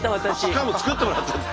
しかも作ってもらったんだ。